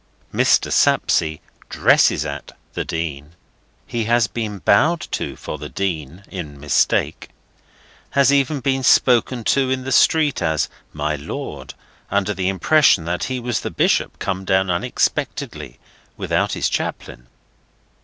Mr. Sapsea "dresses at" the Dean; has been bowed to for the Dean, in mistake; has even been spoken to in the street as My Lord, under the impression that he was the Bishop come down unexpectedly, without his chaplain.